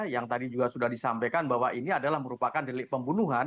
yang tadi juga sudah disampaikan bahwa ini adalah merupakan delik pembunuhan